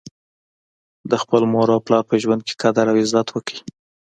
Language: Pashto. د خپل مور او پلار په ژوند کي قدر او عزت وکړئ